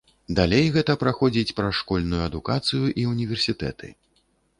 Далей гэта праходзіць праз школьную адукацыю і ўніверсітэты.